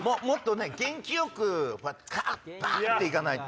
元気よくバ！っていかないと。